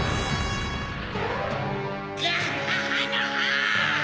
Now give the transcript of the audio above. ・ガハハのハ！